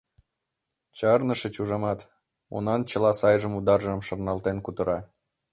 Чарнышыч, ужамат? — унан чыла сайжым-удажым шарналтен кутыра.